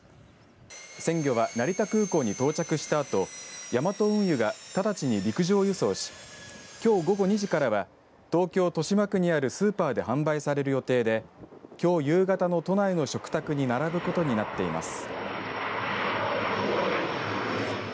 鮮魚は成田空港に到着したあとヤマト運輸が直ちに陸上輸送しきょう午後２時からは東京、豊島区にあるスーパーで販売される予定できょう夕方の都内の食卓に並ぶことになっています。